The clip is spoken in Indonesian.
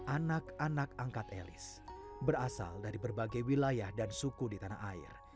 anak anak angkat elis berasal dari berbagai wilayah dan suku di tanah air